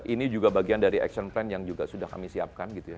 ini juga bagian dari action plan yang juga sudah kami siapkan gitu ya